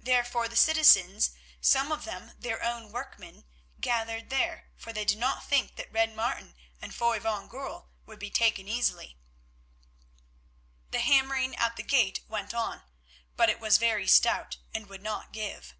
Therefore the citizens, some of them their own workmen, gathered there, for they did not think that Red Martin and Foy van Goorl would be taken easily. The hammering at the gate went on, but it was very stout and would not give.